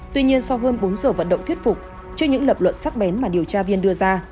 tuy nhiên sau hơn bốn giờ vận động thuyết phục trước những lập luận sắc bén mà điều tra viên đưa ra